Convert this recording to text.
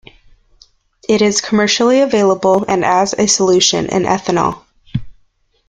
It is commercially available and as a solution in ethanol.